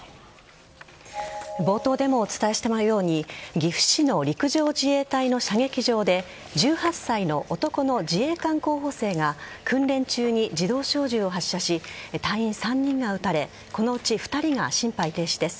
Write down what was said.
冒頭でもお伝えしたように岐阜市の陸上自衛隊の射撃場で１８歳の男の自衛官候補生が訓練中に自動小銃を発射し隊員３人が撃たれこのうち２人が心肺停止です。